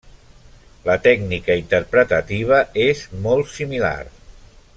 La tècnica interpretativa és molt similar.